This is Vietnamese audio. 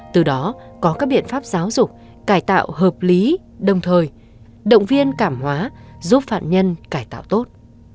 từ đó có các biện pháp giáo dục cải tạo hợp lý đồng thời động viên cảm hóa giúp phạm nhân cải tạo tốt